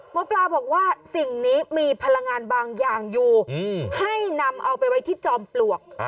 หมอปลาบอกว่าสิ่งนี้มีพลังงานบางอย่างอยู่ให้นำเอาไปไว้ที่จอมปลวก